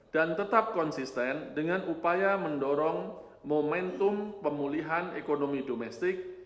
dan tetap konsisten dengan upaya mendorong momentum pemulihan ekonomi domestik